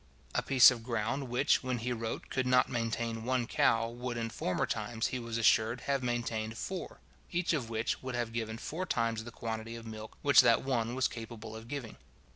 A piece of ground which, when he wrote, could not maintain one cow, would in former times, he was assured, have maintained four, each of which would have given four times the quantity of milk which that one was capable of giving.